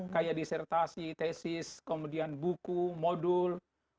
kayak disertasi tesis kemudian buku modul